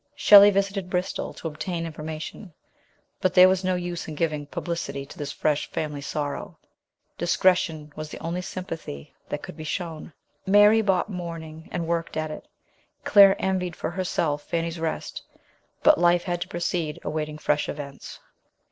Shelley visited Bristol to obtain information ; but there was no use in giving publicity to this fresh RETURN TO ENGLAND. 115 family sorrow discretion was the only sympathy that could be shown. Mary bought mourning, and worked at it. Claire envied for herself Fanny's rest ; but life had to proceed, awaiting fresh events.